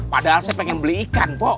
padahal saya pengen beli ikan kok